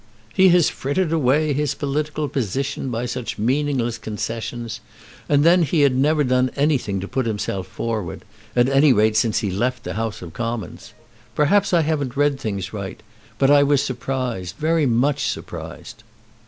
"He has frittered away his political position by such meaningless concessions. And then he had never done anything to put himself forward, at any rate since he left the House of Commons. Perhaps I haven't read things right, but I was surprised, very much surprised."